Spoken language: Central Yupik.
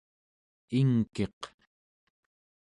ingkiq